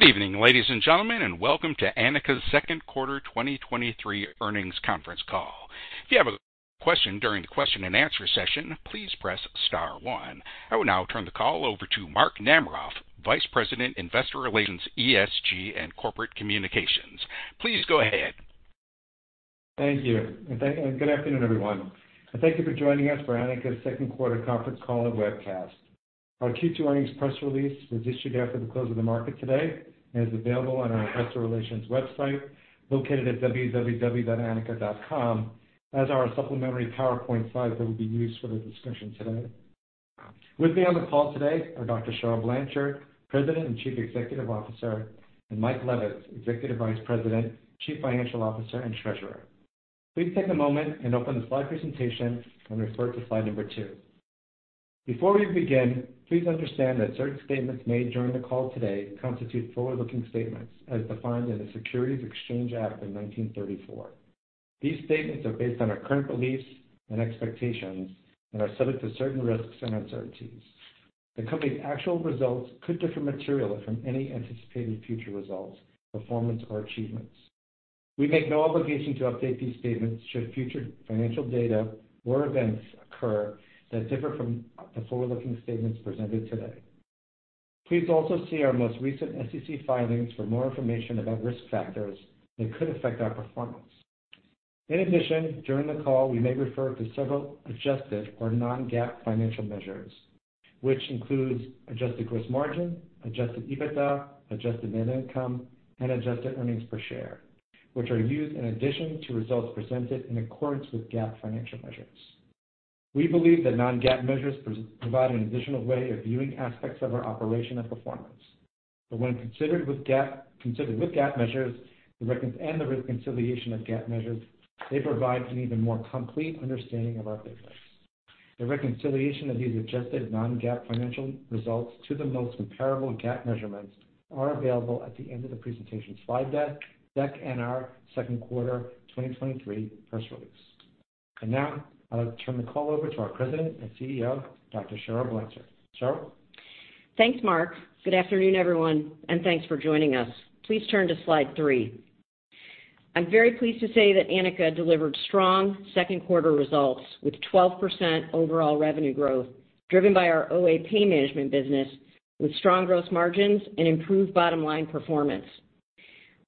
Good evening, ladies and gentlemen. Welcome to Anika's second quarter 2023 earnings conference call. If you have a question during the question-and-answer session, please press star one. I will now turn the call over to Mark Namaroff, Vice President, Investor Relations, ESG, and Corporate Communications. Please go ahead. Thank you. Good afternoon, everyone, and thank you for joining us for Anika's second quarter conference call and webcast. Our Q2 earnings press release was issued after the close of the market today and is available on our investor relations website, located at www.anika.com, as are our supplementary PowerPoint slides that will be used for the discussion today. With me on the call today are Dr. Cheryl Blanchard, President and Chief Executive Officer, and Mike Leavitt, Executive Vice President, Chief Financial Officer, and Treasurer. Please take a moment and open the slide presentation and refer to slide number 2. Before we begin, please understand that certain statements made during the call today constitute forward-looking statements as defined in the Securities Exchange Act of 1934. These statements are based on our current beliefs and expectations and are subject to certain risks and uncertainties. The company's actual results could differ materially from any anticipated future results, performance, or achievements. We make no obligation to update these statements should future financial data or events occur that differ from the forward-looking statements presented today. Please also see our most recent SEC filings for more information about risk factors that could affect our performance. In addition, during the call, we may refer to several adjusted or non-GAAP financial measures, which includes adjusted gross margin, adjusted EBITDA, adjusted net income, and adjusted earnings per share, which are used in addition to results presented in accordance with GAAP financial measures. We believe that non-GAAP measures provide an additional way of viewing aspects of our operation and performance. When considered with GAAP, considered with GAAP measures, and the reconciliation of GAAP measures, they provide an even more complete understanding of our business. The reconciliation of these adjusted non-GAAP financial results to the most comparable GAAP measurements are available at the end of the presentation slide deck, and our second quarter 2023 press release. Now, I'd like to turn the call over to our President and CEO, Dr. Cheryl Blanchard. Cheryl? Thanks, Mark. Good afternoon, everyone, thanks for joining us. Please turn to slide 3. I'm very pleased to say that Anika delivered strong second quarter results with 12% overall revenue growth, driven by our OA pain management business, with strong gross margins and improved bottom-line performance.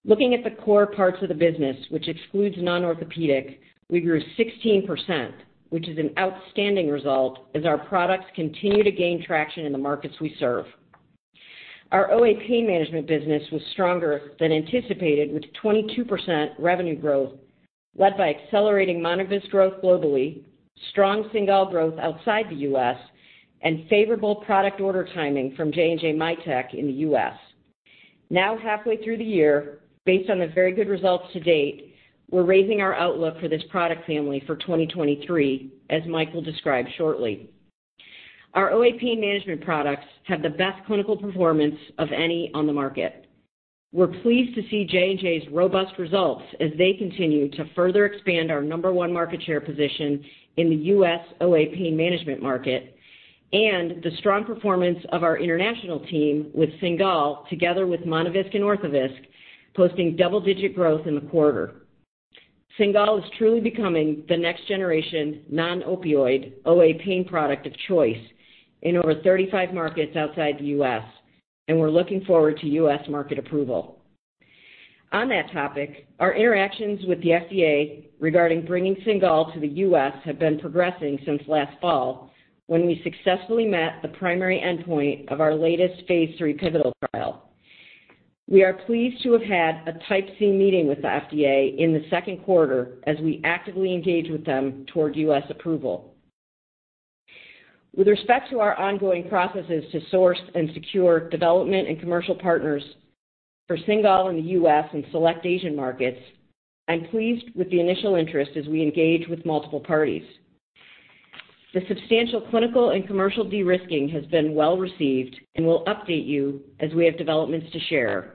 Looking at the core parts of the business, which excludes non-orthopedic, we grew 16%, which is an outstanding result as our products continue to gain traction in the markets we serve. Our OA pain management business was stronger than anticipated, with 22% revenue growth, led by accelerating Monovisc growth globally, strong Cingal growth outside the U.S., and favorable product order timing from J&J Mitek in the U.S.. Halfway through the year, based on the very good results to date, we're raising our outlook for this product family for 2023, as Mike will describe shortly. Our OA pain management products have the best clinical performance of any on the market. We're pleased to see J&J's robust results as they continue to further expand our number one market share position in the U.S. OA pain management market, and the strong performance of our international team with Cingal, together with Monovisc and Orthovisc, posting double-digit growth in the quarter. Cingal is truly becoming the next generation non-opioid OA pain product of choice in over 35 markets outside the U.S., and we're looking forward to U.S. market approval. On that topic, our interactions with the FDA regarding bringing Cingal to the U.S. have been progressing since last fall, when we successfully met the primary endpoint of our latest Phase III pivotal trial. We are pleased to have had a Type C meeting with the FDA in the second quarter as we actively engage with them toward U.S. approval. With respect to our ongoing processes to source and secure development and commercial partners for Cingal in the U.S. and select Asian markets, I'm pleased with the initial interest as we engage with multiple parties. The substantial clinical and commercial de-risking has been well-received and will update you as we have developments to share.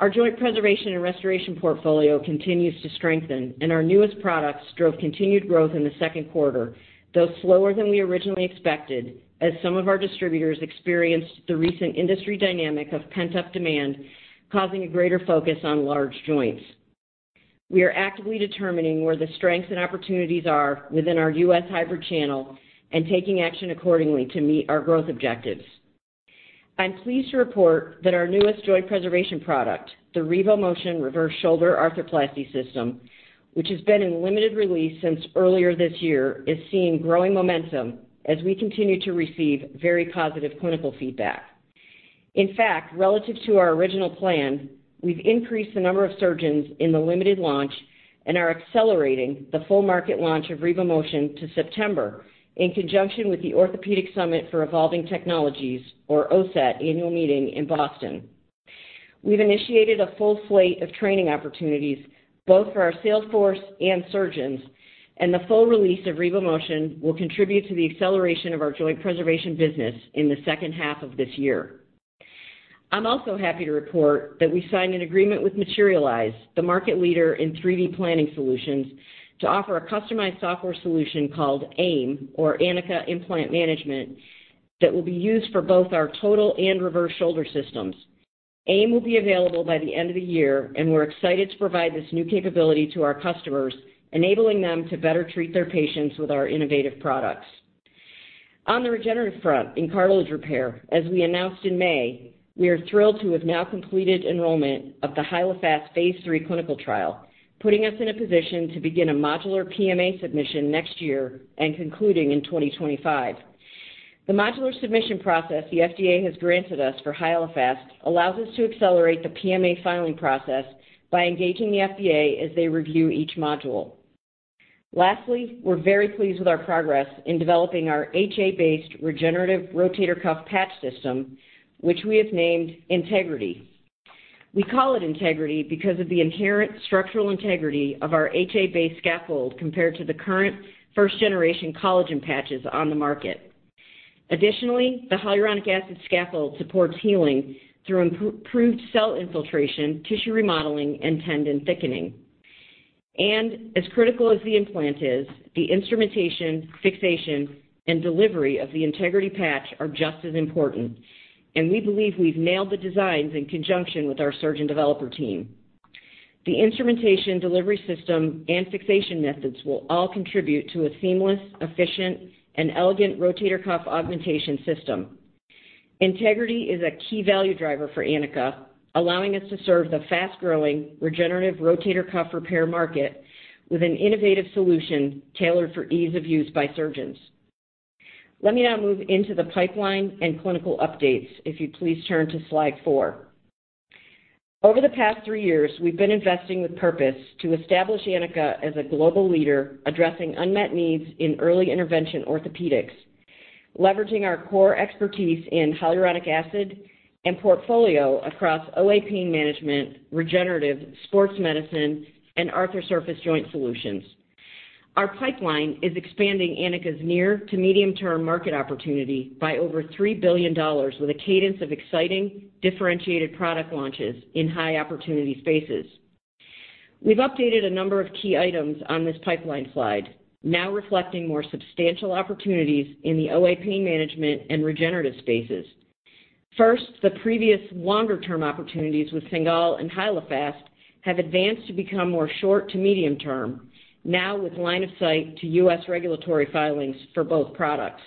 Our Joint Preservation and Restoration portfolio continues to strengthen, and our newest products drove continued growth in the second quarter, though slower than we originally expected, as some of our distributors experienced the recent industry dynamic of pent-up demand, causing a greater focus on large joints. We are actively determining where the strengths and opportunities are within our U..S hybrid channel and taking action accordingly to meet our growth objectives. I'm pleased to report that our newest joint preservation product, the RevoMotion Reverse Shoulder Arthroplasty System, which has been in limited release since earlier this year, is seeing growing momentum as we continue to receive very positive clinical feedback. In fact, relative to our original plan, we've increased the number of surgeons in the limited launch and are accelerating the full market launch of RevoMotion to September, in conjunction with the Orthopedic Summit for Evolving Technologies, or OSET, annual meeting in Boston. We've initiated a full slate of training opportunities, both for our sales force and surgeons, and the full release of RevoMotion will contribute to the acceleration of our joint preservation business in the second half of this year. I'm also happy to report that we signed an agreement with Materialise, the market leader in 3D planning solutions, to offer a customized software solution called AIM, or Anika Implant Management, that will be used for both our total and reverse shoulder systems. AIM will be available by the end of the year, and we're excited to provide this new capability to our customers, enabling them to better treat their patients with our innovative products. On the regenerative front, in cartilage repair, as we announced in May, we are thrilled to have now completed enrollment of the Hyalofast phase III clinical trial, putting us in a position to begin a modular PMA submission next year and concluding in 2025. The modular submission process the FDA has granted us for Hyalofast allows us to accelerate the PMA filing process by engaging the FDA as they review each module. Lastly, we're very pleased with our progress in developing our HA-based regenerative rotator cuff patch system, which we have named Integrity. We call it Integrity because of the inherent structural integrity of our HA-based scaffold compared to the current first-generation collagen patches on the market. Additionally, the hyaluronic acid scaffold supports healing through improved cell infiltration, tissue remodeling, and tendon thickening. As critical as the implant is, the instrumentation, fixation, and delivery of the Integrity patch are just as important, and we believe we've nailed the designs in conjunction with our surgeon developer team. The instrumentation, delivery system, and fixation methods will all contribute to a seamless, efficient, and elegant rotator cuff augmentation system. Integrity is a key value driver for Anika, allowing us to serve the fast-growing regenerative rotator cuff repair market with an innovative solution tailored for ease of use by surgeons. Let me now move into the pipeline and clinical updates. If you'd please turn to slide 4. Over the past three years, we've been investing with purpose to establish Anika as a global leader, addressing unmet needs in early intervention orthopedics, leveraging our core expertise in hyaluronic acid and portfolio across OA pain management, regenerative, sports medicine, and Arthrosurface joint solutions. Our pipeline is expanding Anika's near to medium-term market opportunity by over $3 billion, with a cadence of exciting, differentiated product launches in high-opportunity spaces. We've updated a number of key items on this pipeline slide, now reflecting more substantial opportunities in the OA pain management and regenerative spaces. First, the previous longer-term opportunities with Cingal and Hyalofast have advanced to become more short to medium-term, now with line of sight to U.S. regulatory filings for both products.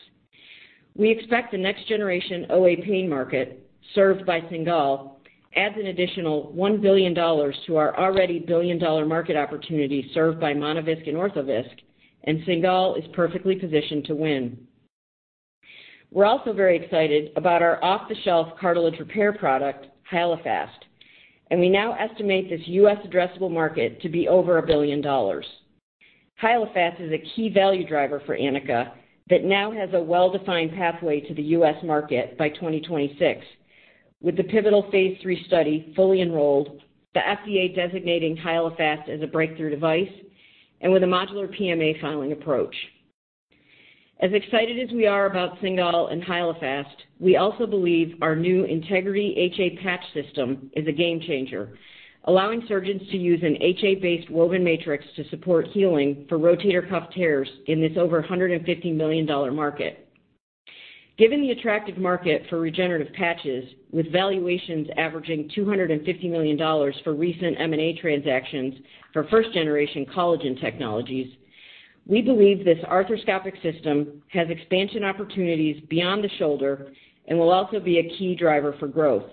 We expect the next generation OA pain market, served by Cingal, adds an additional $1 billion to our already $1 billion market opportunity served by Monovisc and Orthovisc. Cingal is perfectly positioned to win. We're also very excited about our off-the-shelf cartilage repair product, Hyalofast, and we now estimate this U.S. addressable market to be over $1 billion. Hyalofast is a key value driver for Anika that now has a well-defined pathway to the U.S. market by 2026. With the pivotal Phase III study fully enrolled, the FDA designating Hyalofast as a breakthrough device, and with a modular PMA filing approach. As excited as we are about Cingal and Hyalofast, we also believe our new Integrity HA Patch system is a game changer, allowing surgeons to use an HA-based woven matrix to support healing for rotator cuff tears in this over $150 million market. Given the attractive market for regenerative patches, with valuations averaging $250 million for recent M&A transactions for first-generation collagen technologies, we believe this arthroscopic system has expansion opportunities beyond the shoulder and will also be a key driver for growth.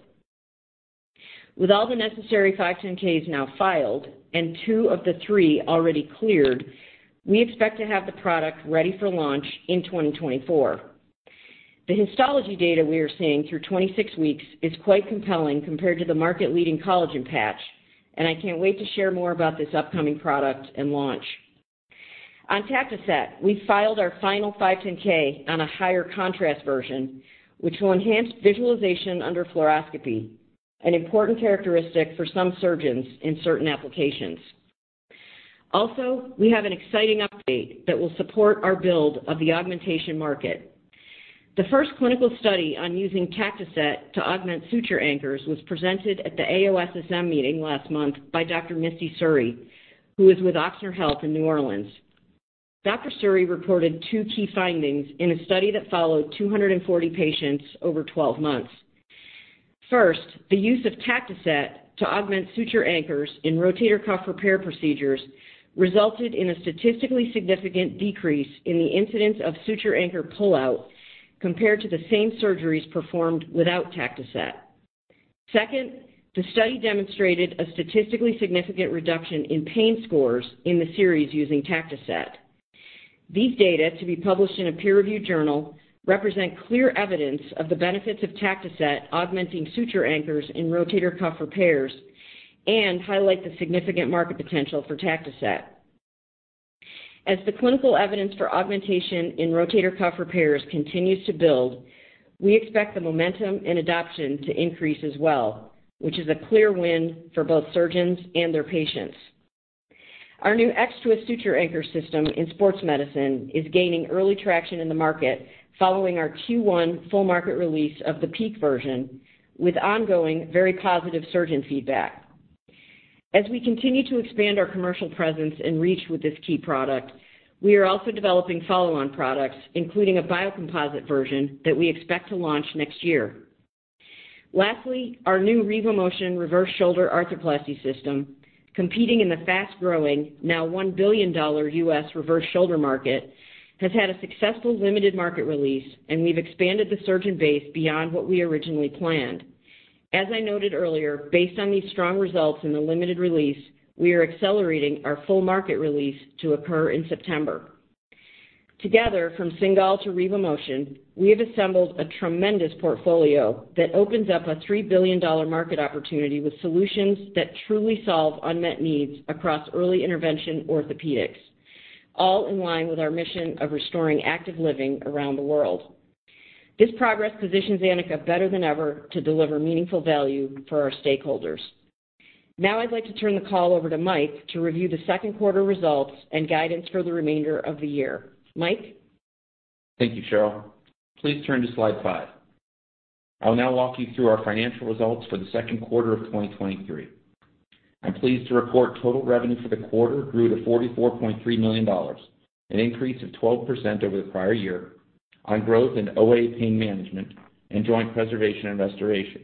With all the necessary 510(k)s now filed and two of the three already cleared, we expect to have the product ready for launch in 2024. The histology data we are seeing through 26 weeks is quite compelling compared to the market-leading collagen patch, and I can't wait to share more about this upcoming product and launch. On Tactoset, we filed our final 510(k) on a higher contrast version, which will enhance visualization under fluoroscopy, an important characteristic for some surgeons in certain applications. We have an exciting update that will support our build of the augmentation market. The first clinical study on using Tactoset to augment suture anchors was presented at the AOSSM meeting last month by Dr. Misty Suri, who is with Ochsner Health in New Orleans. Dr. Suri reported two key findings in a study that followed 240 patients over 12 months. First, the use of Tactoset to augment suture anchors in rotator cuff repair procedures resulted in a statistically significant decrease in the incidence of suture anchor pullout compared to the same surgeries performed without Tactoset. Second, the study demonstrated a statistically significant reduction in pain scores in the series using Tactoset. These data, to be published in a peer-reviewed journal, represent clear evidence of the benefits of Tactoset augmenting suture anchors in rotator cuff repairs and highlight the significant market potential for Tactoset. As the clinical evidence for augmentation in rotator cuff repairs continues to build, we expect the momentum and adoption to increase as well, which is a clear win for both surgeons and their patients. Our new X-Twist suture anchor system in sports medicine is gaining early traction in the market following our Q1 full market release of the PEEK version with ongoing, very positive surgeon feedback. As we continue to expand our commercial presence and reach with this key product, we are also developing follow-on products, including a biocomposite version that we expect to launch next year. Lastly, our new RevoMotion Reverse Shoulder Arthroplasty System, competing in the fast-growing, now $1 billion U.S. reverse shoulder market, has had a successful limited market release, and we've expanded the surgeon base beyond what we originally planned. As I noted earlier, based on these strong results in the limited release, we are accelerating our full market release to occur in September. Together, from Cingal to RevoMotion, we have assembled a tremendous portfolio that opens up a $3 billion market opportunity with solutions that truly solve unmet needs across early intervention orthopedics, all in line with our mission of restoring active living around the world. This progress positions Anika better than ever to deliver meaningful value for our stakeholders. Now I'd like to turn the call over to Mike to review the second quarter results and guidance for the remainder of the year. Mike? Thank you, Cheryl. Please turn to slide 5. I will now walk you through our financial results for the second quarter of 2023. I'm pleased to report total revenue for the quarter grew to $44.3 million, an increase of 12% over the prior year, on growth in OA Pain Management and Joint Preservation and Restoration,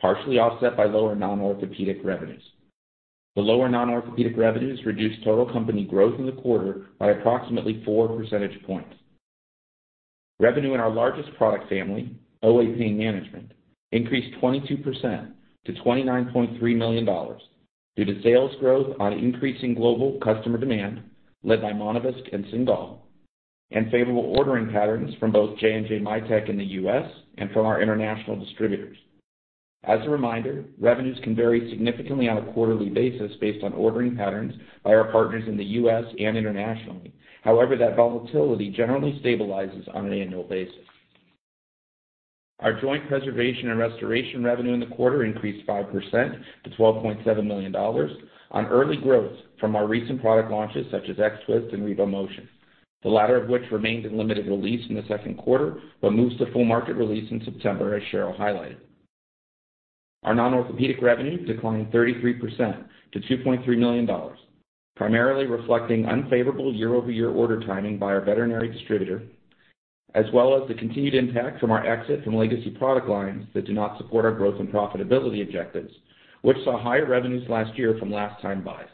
partially offset by lower non-orthopedic revenues. The lower non-orthopedic revenues reduced total company growth in the quarter by approximately four percentage points. Revenue in our largest product family, OA Pain Management, increased 22% to $29.3 million, due to sales growth on increasing global customer demand, led by Monovisc and Cingal, and favorable ordering patterns from both J&J Mitek in the U.S. and from our international distributors. As a reminder, revenues can vary significantly on a quarterly basis based on ordering patterns by our partners in the U.S. and internationally. However, that volatility generally stabilizes on an annual basis. Our Joint Preservation and Restoration revenue in the quarter increased 5% to $12.7 million on early growth from our recent product launches, such as X-Twist and RevoMotion, the latter of which remained in limited release in the second quarter, but moves to full market release in September, as Cheryl highlighted. Our non-orthopedic revenue declined 33% to $2.3 million, primarily reflecting unfavorable year-over-year order timing by our veterinary distributor, as well as the continued impact from our exit from legacy product lines that do not support our growth and profitability objectives, which saw higher revenues last year from last-time buys.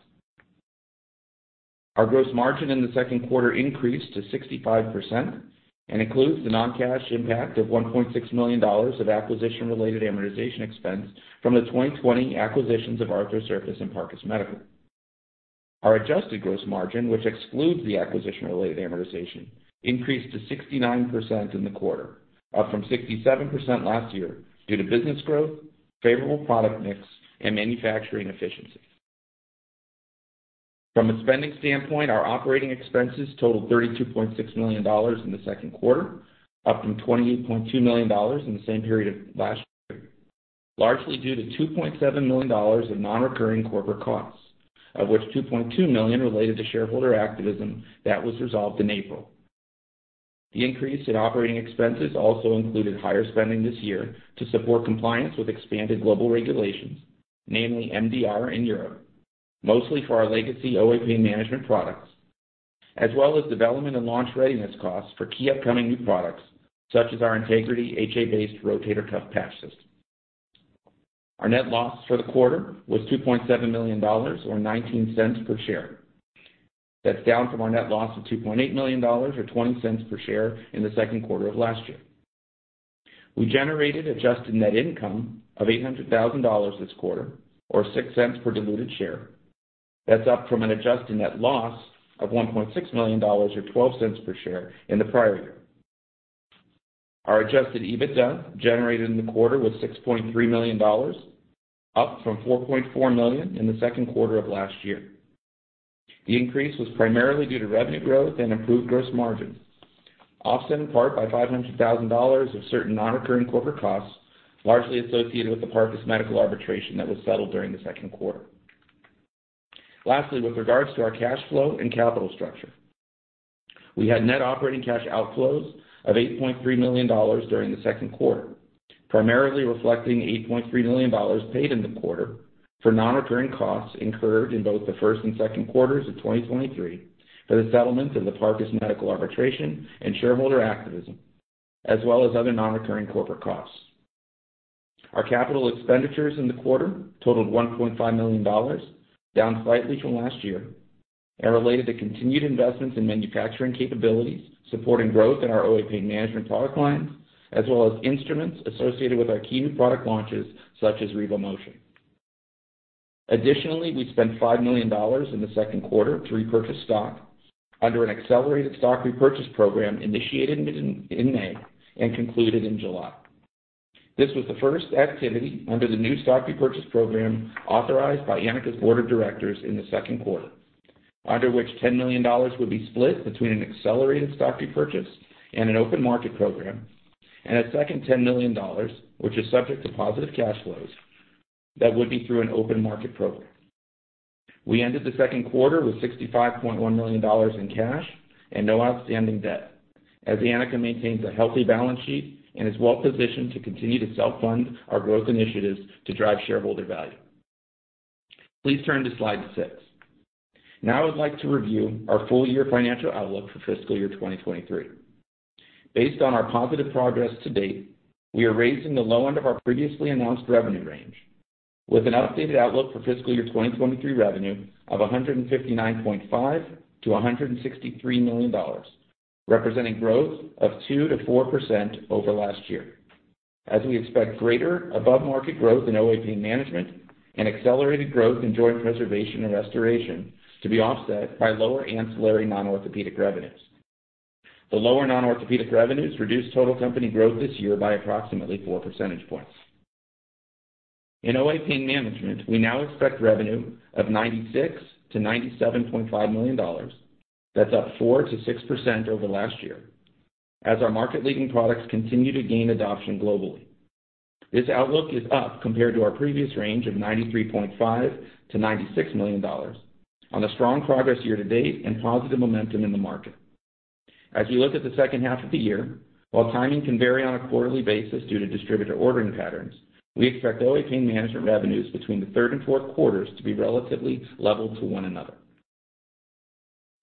Our gross margin in the second quarter increased to 65% and includes the non-cash impact of $1.6 million of acquisition-related amortization expense from the 2020 acquisitions of Arthrosurface and Parcus Medical. Our adjusted gross margin, which excludes the acquisition-related amortization, increased to 69% in the quarter, up from 67% last year due to business growth, favorable product mix, and manufacturing efficiencies. From a spending standpoint, our operating expenses totaled $32.6 million in the second quarter, up from $28.2 million in the same period of last year, largely due to $2.7 million of non-recurring corporate costs, of which $2.2 million related to shareholder activism that was resolved in April. The increase in operating expenses also included higher spending this year to support compliance with expanded global regulations, namely MDR in Europe, mostly for our legacy OA Pain Management products, as well as development and launch readiness costs for key upcoming new products, such as our Integrity HA-Based Rotator Cuff Patch System. Our net loss for the quarter was $2.7 million, or $0.19 per share. That's down from our net loss of $2.8 million, or $0.20 per share in the second quarter of last year. We generated adjusted net income of $800,000 this quarter, or $0.06 per diluted share. That's up from an adjusted net loss of $1.6 million, or $0.12 per share in the prior year. Our adjusted EBITDA generated in the quarter was $6.3 million, up from $4.4 million in the second quarter of last year. The increase was primarily due to revenue growth and improved gross margins, offset in part by $500,000 of certain non-recurring corporate costs, largely associated with the Parcus Medical arbitration that was settled during the second quarter. Lastly, with regards to our cash flow and capital structure, we had net operating cash outflows of $8.3 million during the second quarter, primarily reflecting $8.3 million paid in the quarter for non-recurring costs incurred in both the first and second quarters of 2023 for the settlement of the Parcus Medical arbitration and shareholder activism, as well as other non-recurring corporate costs. Our capital expenditures in the quarter totaled $1.5 million, down slightly from last year, related to continued investments in manufacturing capabilities, supporting growth in our OA Pain Management product lines, as well as instruments associated with our key new product launches, such as RevoMotion. Additionally, we spent $5 million in the second quarter to repurchase stock under an accelerated stock repurchase program initiated in May and concluded in July. This was the first activity under the new stock repurchase program authorized by Anika's board of directors in the second quarter, under which $10 million would be split between an accelerated stock repurchase and an open market program, a second $10 million, which is subject to positive cash flows, that would be through an open market program. We ended the second quarter with $65.1 million in cash and no outstanding debt. As Anika maintains a healthy balance sheet and is well positioned to continue to self-fund our growth initiatives to drive shareholder value. Please turn to slide 6. Now I would like to review our full year financial outlook for fiscal year 2023. Based on our positive progress to date, we are raising the low end of our previously announced revenue range with an updated outlook for fiscal year 2023 revenue of $159.5 million-$163 million, representing growth of 2%-4% over last year. As we expect greater above-market growth in OA Pain Management and accelerated growth in Joint Preservation and Restoration to be offset by lower ancillary non-orthopedic revenues. The lower non-orthopedic revenues reduce total company growth this year by approximately four percentage points. In OA Pain Management, we now expect revenue of $96 million-$97.5 million. That's up 4%-6% over last year, as our market-leading products continue to gain adoption globally. This outlook is up compared to our previous range of $93.5 million-$96 million on the strong progress year to date and positive momentum in the market. As we look at the second half of the year, while timing can vary on a quarterly basis due to distributor ordering patterns, we expect OA Pain Management revenues between the third and fourth quarters to be relatively level to one another.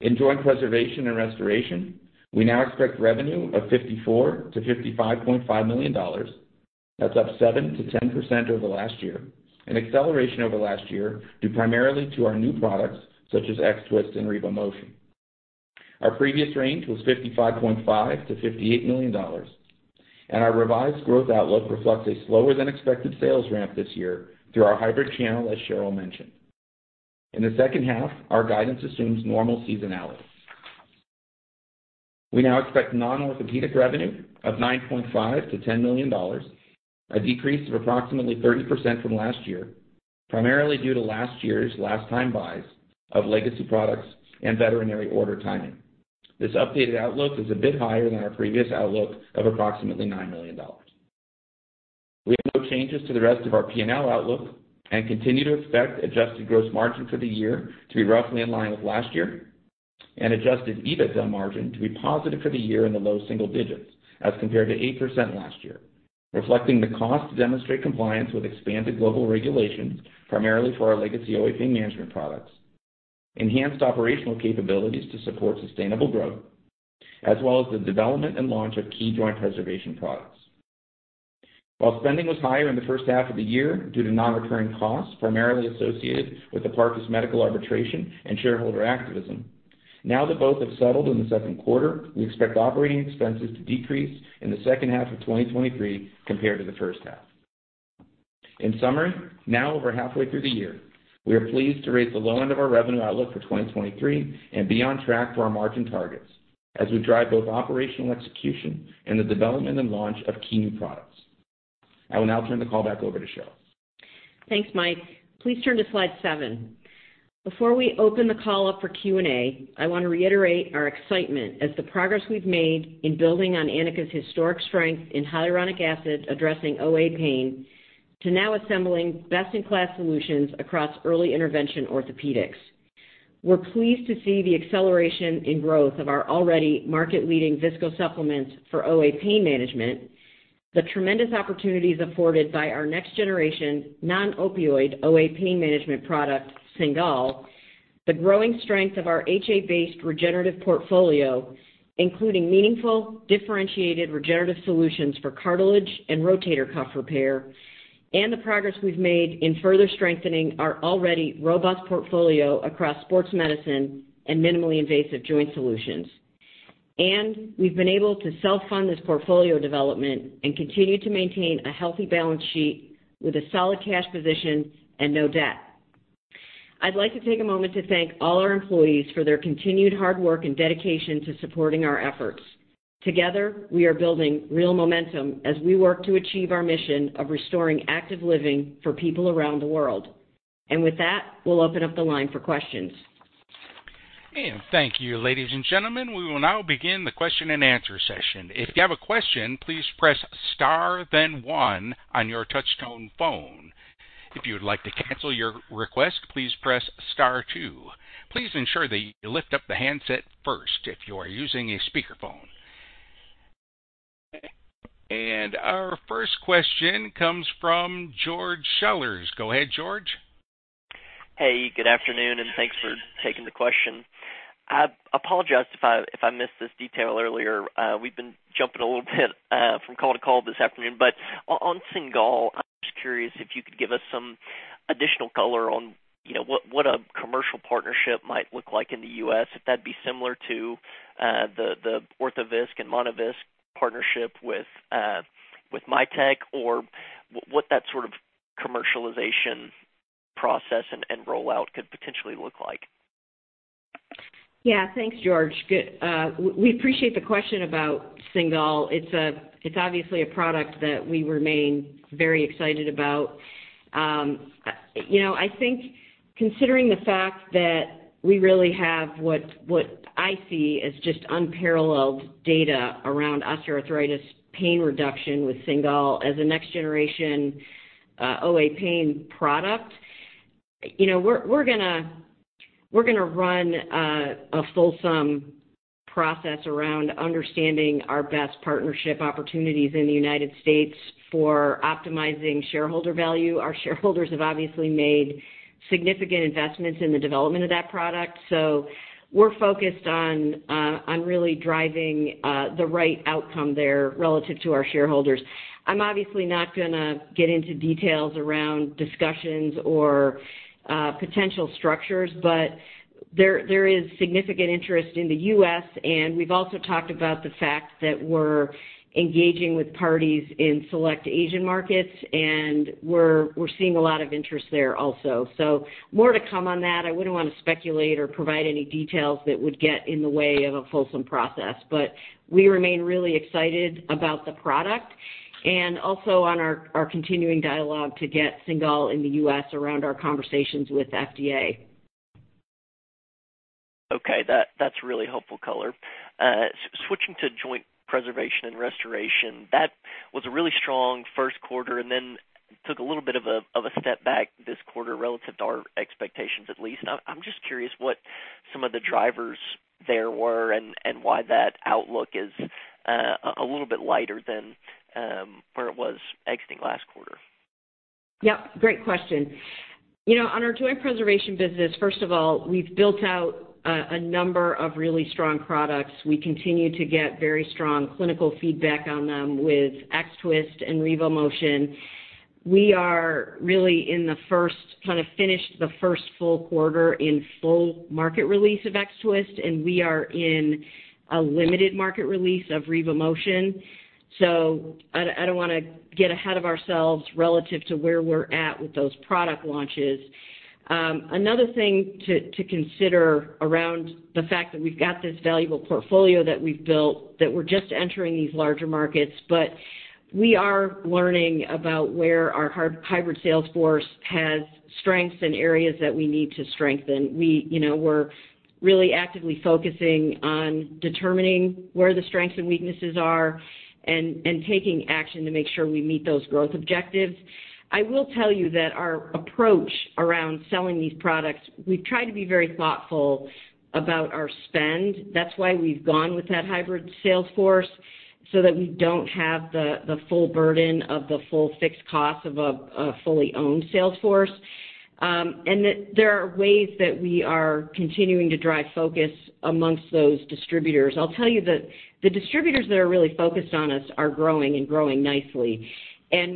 In Joint Preservation and Restoration, we now expect revenue of $54 million-$55.5 million. That's up 7%-10% over last year, an acceleration over last year, due primarily to our new products such as X-Twist and RevoMotion. Our previous range was $55.5 million-$58 million, and our revised growth outlook reflects a slower than expected sales ramp this year through our hybrid channel, as Cheryl mentioned. In the second half, our guidance assumes normal seasonality. We now expect non-orthopedic revenue of $9.5 million-$10 million, a decrease of approximately 30% from last year, primarily due to last year's last time buys of legacy products and veterinary order timing. This updated outlook is a bit higher than our previous outlook of approximately $9 million. We have no changes to the rest of our PNL outlook and continue to expect adjusted gross margin for the year to be roughly in line with last year, and adjusted EBITDA margin to be positive for the year in the low single digits as compared to 8% last year, reflecting the cost to demonstrate compliance with expanded global regulations, primarily for our legacy OA pain management products, enhanced operational capabilities to support sustainable growth, as well as the development and launch of key joint preservation products. While spending was higher in the first half of the year due to non-recurring costs, primarily associated with the Parcus Medical arbitration and shareholder activism, now that both have settled in the second quarter, we expect operating expenses to decrease in the second half of 2023 compared to the first half. In summary, now over halfway through the year, we are pleased to raise the low end of our revenue outlook for 2023 and be on track for our margin targets as we drive both operational execution and the development and launch of key new products. I will now turn the call back over to Cheryl. Thanks, Mike. Please turn to slide 7. Before we open the call up for Q&A, I want to reiterate our excitement as the progress we've made in building on Anika's historic strength in hyaluronic acid, addressing OA pain, to now assembling best-in-class solutions across early intervention orthopedics. We're pleased to see the acceleration in growth of our already market-leading viscosupplement for OA pain management, the tremendous opportunities afforded by our next generation non-opioid OA pain management product, Cingal, the growing strength of our HA-based regenerative portfolio, including meaningful, differentiated regenerative solutions for cartilage and rotator cuff repair, and the progress we've made in further strengthening our already robust portfolio across sports medicine and minimally invasive joint solutions. We've been able to self-fund this portfolio development and continue to maintain a healthy balance sheet with a solid cash position and no debt. I'd like to take a moment to thank all our employees for their continued hard work and dedication to supporting our efforts. Together, we are building real momentum as we work to achieve our mission of restoring active living for people around the world. With that, we'll open up the line for questions. Thank you, ladies and gentlemen. We will now begin the question and answer session. If you have a question, please press star, then one on your touchtone phone. If you would like to cancel your request, please press star two. Please ensure that you lift up the handset first if you are using a speakerphone. Our first question comes from George Sellers. Go ahead, George. Hey, good afternoon, and thanks for taking the question. I apologize if I, if I missed this detail earlier. We've been jumping a little bit from call to call this afternoon. On, on Cingal, I'm just curious if you could give us some additional color on, you know, what, what a commercial partnership might look like in the U.S., if that'd be similar to the, the Orthovisc and Monovisc partnership with Mitek, or what that sort of commercialization process and, and rollout could potentially look like? Yeah, thanks, George. We appreciate the question about Cingal. It's a, it's obviously a product that we remain very excited about. You know, I think considering the fact that we really have what, what I see as just unparalleled data around osteoarthritis pain reduction with Cingal as a next generation, OA pain product, you know, we're gonna run a fulsome process around understanding our best partnership opportunities in the United States for optimizing shareholder value. Our shareholders have obviously made significant investments in the development of that product. We're focused on really driving the right outcome there relative to our shareholders. I'm obviously not gonna get into details around discussions or potential structures. There, there is significant interest in the U.S.. We've also talked about the fact that we're engaging with parties in select Asian markets. We're, we're seeing a lot of interest there also. More to come on that. I wouldn't wanna speculate or provide any details that would get in the way of a fulsome process. We remain really excited about the product and also on our, our continuing dialogue to get Cingal in the U.S. around our conversations with FDA. Okay, that, that's really helpful color. Switching to Joint Preservation and Restoration, that was a really strong first quarter, and then took a little bit of a, of a step back this quarter, relative to our expectations, at least. I'm, I'm just curious what some of the drivers there were and, and why that outlook is a little bit lighter than where it was exiting last quarter. Yep, great question. You know, on our joint preservation business, first of all, we've built out a, a number of really strong products. We continue to get very strong clinical feedback on them with X-Twist and RevoMotion. We are really in the kind of finished the first full quarter in full market release of X-Twist, and we are in a limited market release of RevoMotion. I don't, I don't wanna get ahead of ourselves relative to where we're at with those product launches. Another thing to, to consider around the fact that we've got this valuable portfolio that we've built, that we're just entering these larger markets, but we are learning about where our hybrid sales force has strengths and areas that we need to strengthen. We, you know, we're really actively focusing on determining where the strengths and weaknesses are, and, and taking action to make sure we meet those growth objectives. I will tell you that our approach around selling these products, we've tried to be very thoughtful about our spend. That's why we've gone with that hybrid sales force, so that we don't have the, the full burden of the full fixed cost of a, a fully owned sales force. That there are ways that we are continuing to drive focus amongst those distributors. I'll tell you that the distributors that are really focused on us are growing and growing nicely.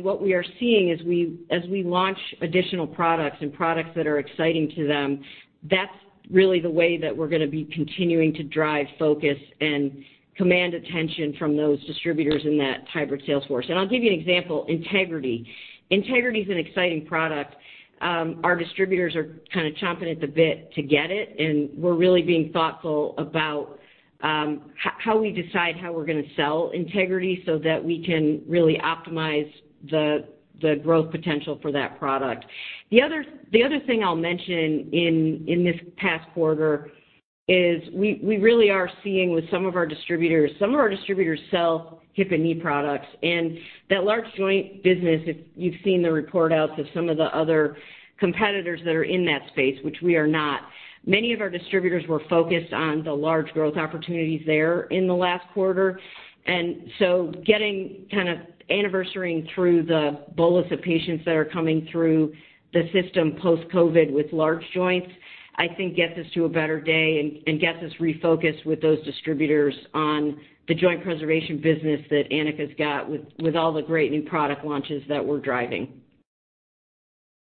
What we are seeing as we, as we launch additional products and products that are exciting to them, that's really the way that we're gonna be continuing to drive focus and command attention from those distributors in that hybrid sales force. I'll give you an example, Integrity. Integrity is an exciting product. Our distributors are kind of chomping at the bit to get it, and we're really being thoughtful about, how, how we decide how we're gonna sell Integrity, so that we can really optimize the, the growth potential for that product. The other thing I'll mention in this past quarter is we really are seeing with some of our distributors, some of our distributors sell hip and knee products, and that large joint business, if you've seen the report outs of some of the other competitors that are in that space, which we are not, many of our distributors were focused on the large growth opportunities there in the last quarter. So getting kind of anniversarying through the bolus of patients that are coming through the system post-COVID with large joints, I think, gets us to a better day and gets us refocused with those distributors on the joint preservation business that Anika's got, with all the great new product launches that we're driving.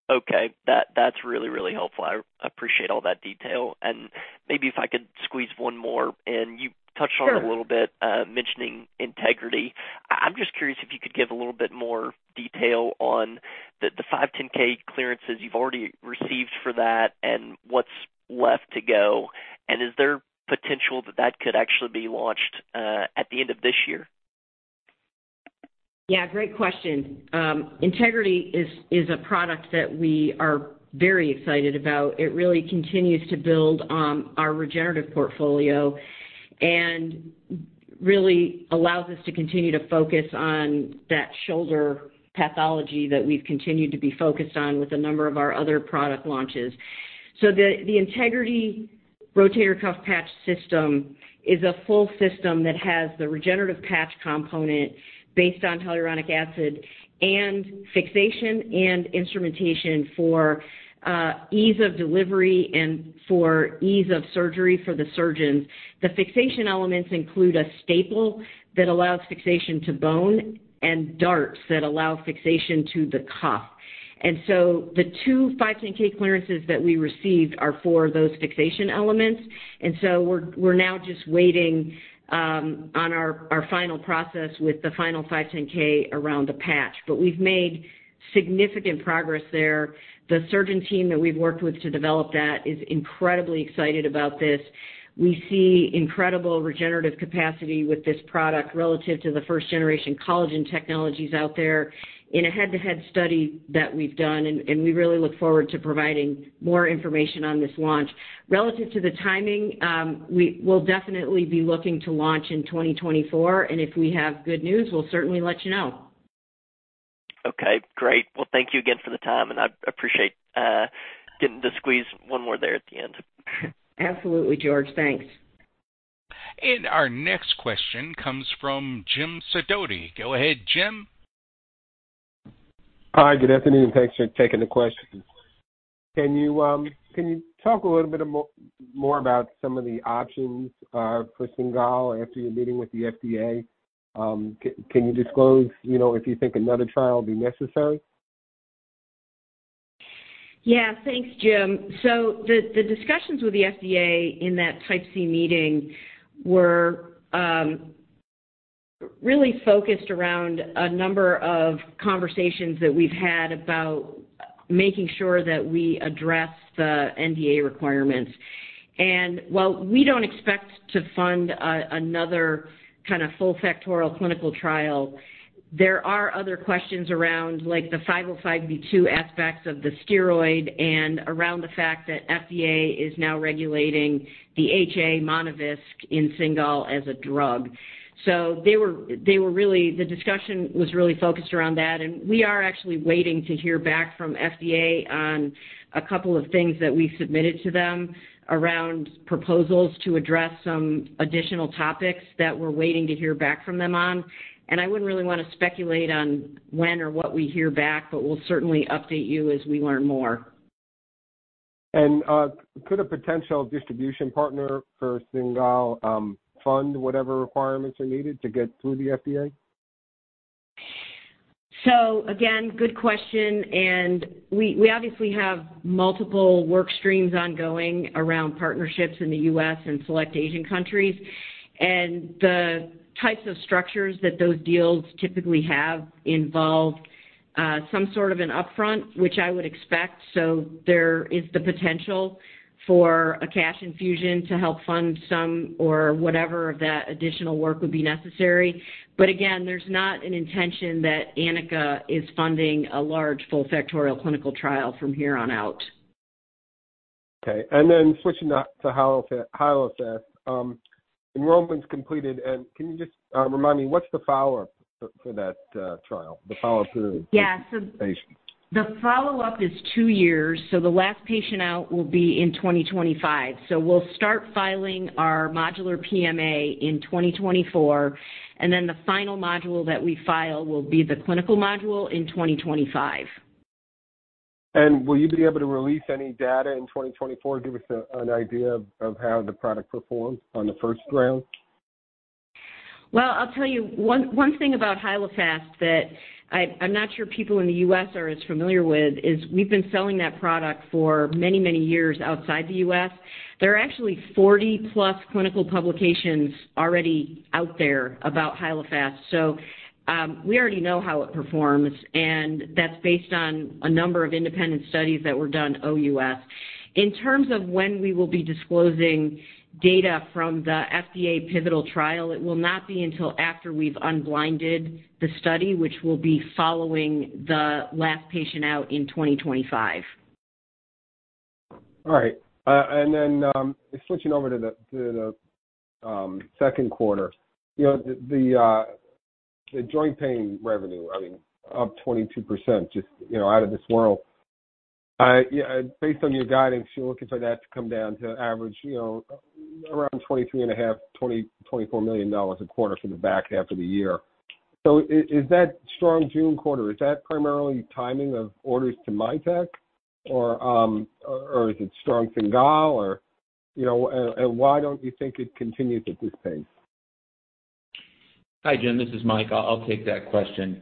Okay. That's really, really helpful. I appreciate all that detail. Maybe if I could squeeze one more, and you touched on... Sure. -it a little bit, mentioning Integrity. I'm just curious if you could give a little bit more detail on the, the 510 clearances you've already received for that and what's left to go, and is there potential that that could actually be launched, at the end of this year? Yeah, great question. Integrity is, is a product that we are very excited about. It really continues to build our regenerative portfolio and really allows us to continue to focus on that shoulder pathology that we've continued to be focused on with a number of our other product launches. The, the Integrity Rotator Cuff Patch System is a full system that has the regenerative patch component based on hyaluronic acid and fixation and instrumentation for ease of delivery and for ease of surgery for the surgeons. The fixation elements include a staple that allows fixation to bone and darts that allow fixation to the cuff. The two 510(k)s that we received are for those fixation elements. We're, we're now just waiting on our, our final process with the final 510(k) around the patch. We've made significant progress there. The surgeon team that we've worked with to develop that is incredibly excited about this. We see incredible regenerative capacity with this product relative to the first generation collagen technologies out there in a head-to-head study that we've done, and, and we really look forward to providing more information on this launch. Relative to the timing, we'll definitely be looking to launch in 2024, and if we have good news, we'll certainly let you know. Okay, great. Well, thank you again for the time, and I appreciate getting to squeeze one more there at the end. Absolutely, George. Thanks. Our next question comes from Jim Sidoti. Go ahead, Jim. Hi, good afternoon, and thanks for taking the question. Can you, can you talk a little bit more, more about some of the options for Cingal after your meeting with the FDA? Can you disclose, you know, if you think another trial will be necessary? Yeah, thanks, Jim. The discussions with the FDA in that Type C meeting were really focused around a number of conversations that we've had about making sure that we address the NDA requirements. While we don't expect to fund another kinda full factorial clinical trial, there are other questions around, like, the 505(b)(2) aspects of the steroid and around the fact that FDA is now regulating the HA Monovisc in Cingal as a drug. The discussion was really focused around that, and we are actually waiting to hear back from FDA on a couple of things that we submitted to them around proposals to address some additional topics that we're waiting to hear back from them on. I wouldn't really want to speculate on when or what we hear back, but we'll certainly update you as we learn more. Could a potential distribution partner for Cingal fund whatever requirements are needed to get through the FDA? Again, good question, and we, we obviously have multiple work streams ongoing around partnerships in the U.S. and select Asian countries. The types of structures that those deals typically have involve some sort of an upfront, which I would expect. There is the potential for a cash infusion to help fund some or whatever of that additional work would be necessary. Again, there's not an intention that Anika is funding a large full factorial clinical trial from here on out. Okay, and then switching to Hyalofast. Enrollment's completed, and can you just remind me, what's the follow-up for that trial? Yeah. The patient. The follow-up is two years, so the last patient out will be in 2025. We'll start filing our modular PMA in 2024, and then the final module that we file will be the clinical module in 2025. Will you be able to release any data in 2024 to give .an idea of how the product performed on the first round? Well, I'll tell you one, one thing about Hyalofast that I, I'm not sure people in the U.S are as familiar with, is we've been selling that product for many, many years outside the U.S.. There are actually 40-plus clinical publications already out there about Hyalofast. We already know how it performs, and that's based on a number of independent studies that were done OUS. In terms of when we will be disclosing data from the FDA pivotal trial, it will not be until after we've unblinded the study, which will be following the last patient out in 2025. Right. Then, switching over to the, to the, second quarter. You know, the, the, the joint pain revenue, I mean, up 22%, just, you know, out of this world. Yeah, based on your guidance, you're looking for that to come down to average, you know, around $23.5 million-$24 million a quarter for the back half of the year. Is that strong June quarter, is that primarily timing of orders to Mitek, or, or is it strong Cingal, or, you know, and, and why don't you think it continues at this pace? Hi, Jim, this is Mike. I'll, I'll take that question.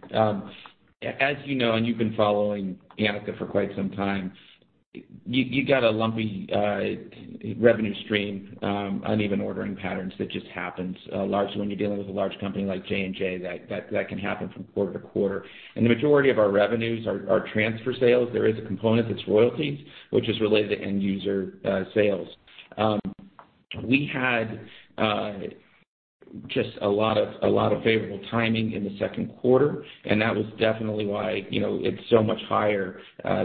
As you know, and you've been following Anika for quite some time, you, you got a lumpy revenue stream, uneven ordering patterns that just happens largely when you're dealing with a large company like J&J, that, that can happen from quarter to quarter. The majority of our revenues are, are transfer sales. There is a component that's royalties, which is related to end user sales. We had just a lot of, a lot of favorable timing in the second quarter, and that was definitely why, you know, it's so much higher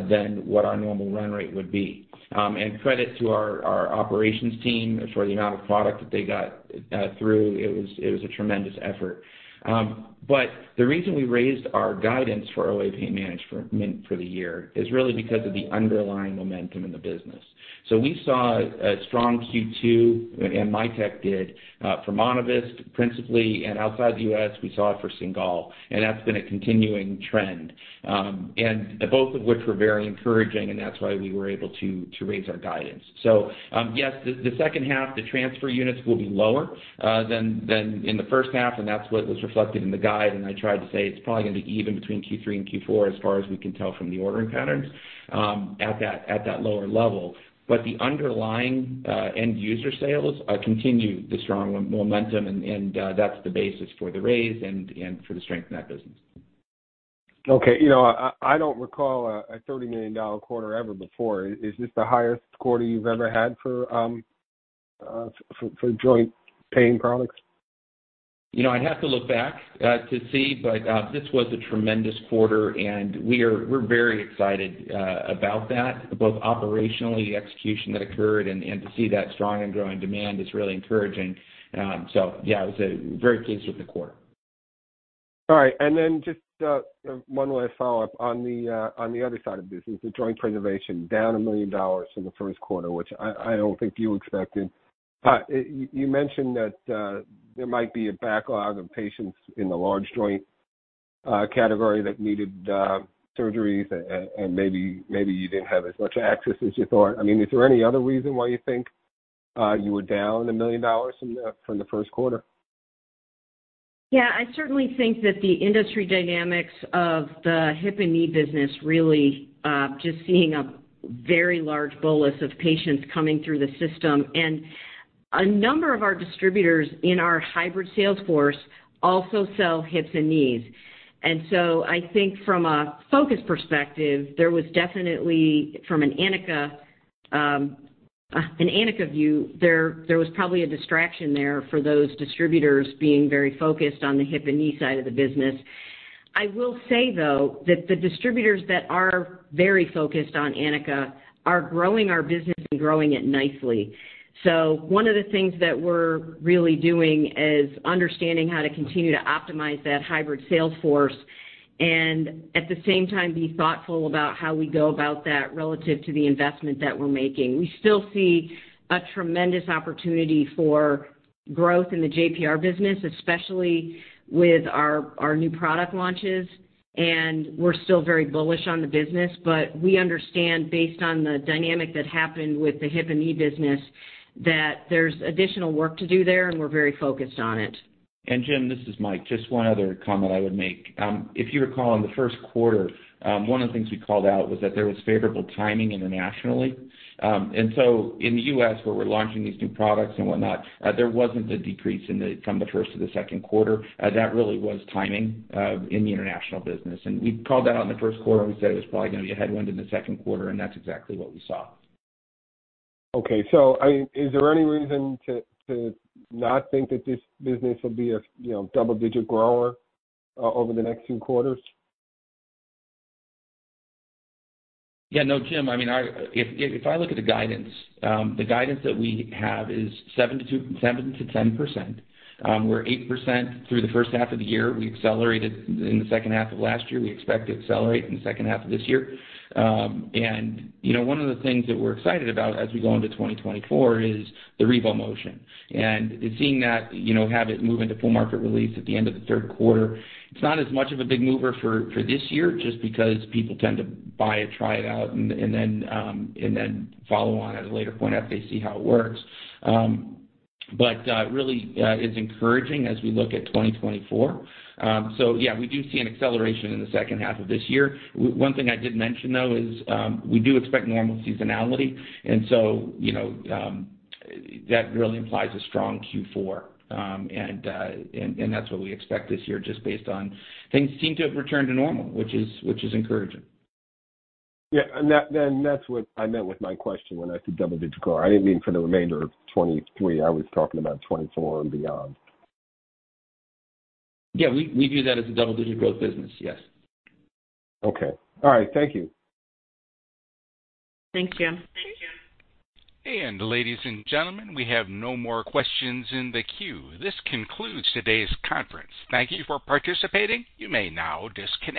than what our normal run rate would be. Credit to our, our operations team for the amount of product that they got through. It was, it was a tremendous effort. The reason we raised our guidance for OA pain management for the year is really because of the underlying momentum in the business. We saw a strong Q2, Mitek did, for Monovisc, principally, and outside the U.S., we saw it for Cingal, and that's been a continuing trend. Both of which were very encouraging, and that's why we were able to, to raise our guidance. Yes, the, the second half, the transfer units will be lower, than, than in the first half, and that's what was reflected in the guide. I tried to say it's probably going to be even between Q3 and Q4 as far as we can tell from the ordering patterns, at that, at that lower level. The underlying end-user sales continue the strong momentum, and, and, that's the basis for the raise and, and for the strength in that business. Okay. You know, I, I don't recall a, a $30 million quarter ever before. Is this the highest quarter you've ever had for, for joint pain products? You know, I'd have to look back, to see, but, this was a tremendous quarter, and we're very excited, about that, both operationally, the execution that occurred and to see that strong and growing demand is really encouraging. So yeah, I was very pleased with the quarter. All right, just one last follow-up. On the other side of business, the Joint Preservation, down $1 million in the first quarter, which I, I don't think you expected. You mentioned that there might be a backlog of patients in the large joint category that needed surgeries, and, and, and maybe, maybe you didn't have as much access as you thought. I mean, is there any other reason why you think you were down $1 million from the first quarter? Yeah, I certainly think that the industry dynamics of the hip and knee business really, just seeing a very large bolus of patients coming through the system. A number of our distributors in our hybrid sales force also sell hips and knees. I think from a focus perspective, there was definitely, from an Anika, an Anika view, there, there was probably a distraction there for those distributors being very focused on the hip and knee side of the business. I will say, though, that the distributors that are very focused on Anika are growing our business and growing it nicely. One of the things that we're really doing is understanding how to continue to optimize that hybrid sales force and at the same time, be thoughtful about how we go about that relative to the investment that we're making. We still see a tremendous opportunity for growth in the JPR business, especially with our new product launches, and we're still very bullish on the business. We understand based on the dynamic that happened with the hip and knee business, that there's additional work to do there, and we're very focused on it. Jim, this is Mike. Just one other comment I would make. If you recall, in the first quarter, one of the things we called out was that there was favorable timing internationally. In the U.S., where we're launching these new products and whatnot, there wasn't a decrease in the, from the first to the second quarter. That really was timing, in the international business, and we called out on the first quarter, and we said it was probably going to be a headwind in the second quarter, and that's exactly what we saw. I mean, is there any reason to not think that this business will be, you know, double-digit grower over the next few quarters? Yeah. No, Jim, I mean, I look at the guidance, the guidance that we have is 7-2, 7%-10%. We're 8% through the first half of the year. We accelerated in the second half of last year. We expect to accelerate in the second half of this year. you know, one of the things that we're excited about as we go into 2024 is the RevoMotion and seeing that, you know, have it move into full market release at the end of the third quarter. It's not as much of a big mover for, for this year, just because people tend to buy it, try it out, and then, and then follow on at a later point after they see how it works. Really, it's encouraging as we look at 2024. Yeah, we do see an acceleration in the second half of this year. One thing I didn't mention, though, is, we do expect normal seasonality, you know, that really implies a strong Q4. That's what we expect this year, just based on things seem to have returned to normal, which is, which is encouraging. Yeah, that, and that's what I meant with my question when I said double-digit grower. I didn't mean for the remainder of 2023. I was talking about 2024 and beyond. Yeah, we, we view that as a double-digit growth business, yes. Okay. All right. Thank you. Thanks, Jim. Thank you. Ladies and gentlemen, we have no more questions in the queue. This concludes today's conference. Thank you for participating. You may now disconnect.